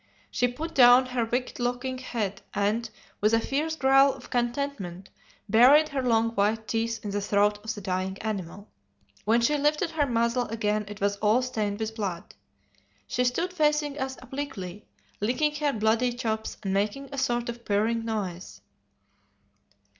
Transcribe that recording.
She put down her wicked looking head, and, with a fierce growl of contentment, buried her long white teeth in the throat of the dying animal. When she lifted her muzzle again it was all stained with blood. She stood facing us obliquely, licking her bloody chops and making a sort of purring noise.